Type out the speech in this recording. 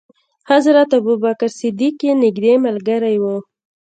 حضرت ابو بکر صدیق یې نېږدې ملګری و.